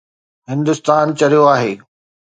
هندستان چريو آهي